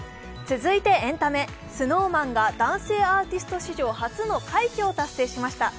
続いてエンタメ、ＳｎｏｗＭａｎが男性アーティスト史上初の快挙を達成しました。